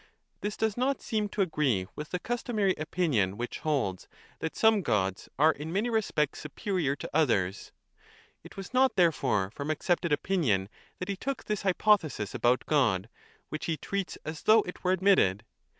This does not seem to agree with the customary opinion, which holds that some gods are in many respects superior to others. It was not, therefore, from accepted opinion that he took this 30 hypothesis about God, which he treats as though it were admitted.